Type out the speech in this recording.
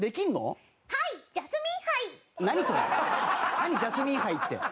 「はいジャスミンハイ」何？